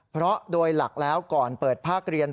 เพราะโดยหลักแล้วก่อนเปิดภาคเรียน